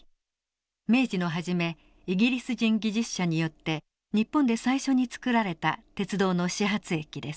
明治の初めイギリス人技術者によって日本で最初に造られた鉄道の始発駅です。